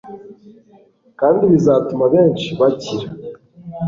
kandi bizatuma abenshi bakira